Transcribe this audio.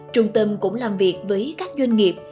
trung tâm cũng làm việc với các doanh nghiệp